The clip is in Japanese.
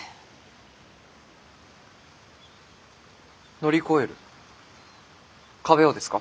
乗り越える壁をですか？